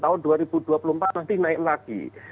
tahun dua ribu dua puluh empat nanti naik lagi